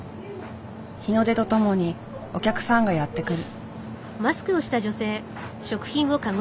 日の出とともにお客さんがやって来る。